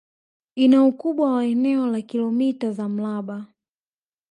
Ina ukubwa wa eneo la kilomita za mraba